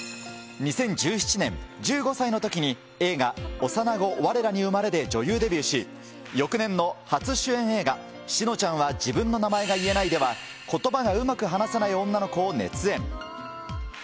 ２０１７年、１５歳のときに映画、幼な子われらに生まれで女優デビューし、翌年の初主演映画、志乃ちゃんは自分の名前が言えないでは、ことばがうまく話せない女の子を熱演。